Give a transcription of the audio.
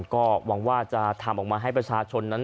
ก็หวังว่าจะทำออกมาให้ประชาชนนั้น